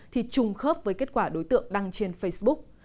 thì trùng khớp với kết quả đối tượng đăng trên facebook